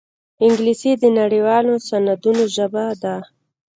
انګلیسي د نړيوالو سندونو ژبه ده